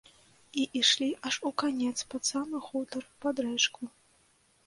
І ішлі аж у канец, пад самы хутар, пад рэчку.